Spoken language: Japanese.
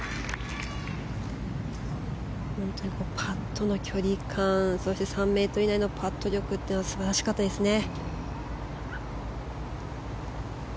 パットの距離感そして３ｍ以内のパット力は素晴らしかったですね。